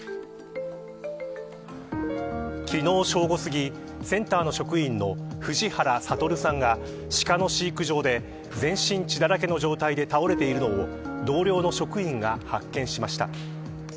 昨日、正午すぎセンターの職員の藤原悟さんがシカの飼育場で全身血だらけの状態で倒れているのを同僚の職員が発見しました。